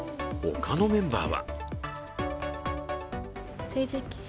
他のメンバーは？